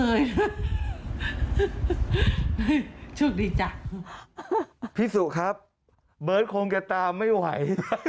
เฮ้ยชุดดีจ้ะพี่สุครับเบิ้ลคงแกตามไม่ไหว